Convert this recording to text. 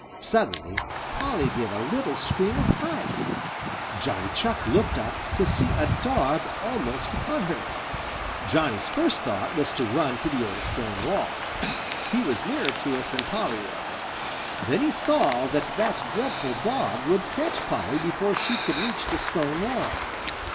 Suddenly Polly gave a little scream of fright. Johnny Chuck looked up to see a dog almost upon her. Johnny's first thought was to run to the old stone wall. He was nearer to it than Polly was. Then he saw that that dreadful dog would catch Polly before she could reach the stone wall.